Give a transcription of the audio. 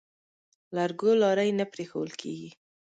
لرګو لارۍ نه پرېښوول کېږي.